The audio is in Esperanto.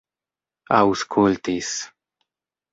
aŭskultis